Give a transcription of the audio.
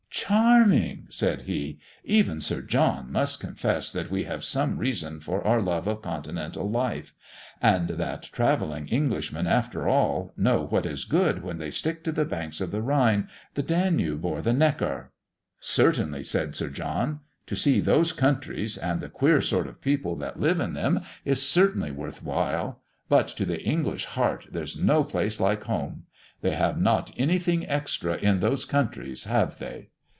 "Charming!" said he. "Even Sir John must confess that we have some reason for our love of continental life; and that travelling Englishmen, after all, know what is good when they stick to the banks of the Rhine, the Danube, or the Neckar." "Certainly," said Sir John; "to see those countries, and the queer sort of people that live in them, is certainly worth while; but to the English heart there's no place like home. They have not anything extra in those countries, have they?"